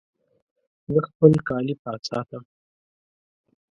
زه خپل کالي پاک ساتم.